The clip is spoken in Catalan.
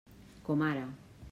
Com ara.